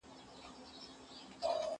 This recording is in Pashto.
هغه وويل چي شګه مهمه ده؟